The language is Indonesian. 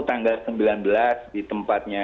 tanggal sembilan belas di tempatnya